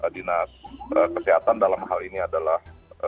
dinas kesehatan dalam hal ini adalah